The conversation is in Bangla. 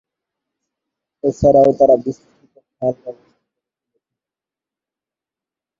এছাড়াও তারা বিস্তৃত খাল-ব্যবস্থা গড়ে তুলেছিল।